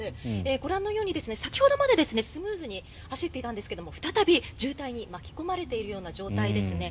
ご覧のように先ほどまでスムーズに走っていたんですが再び渋滞に巻き込まれている状態です。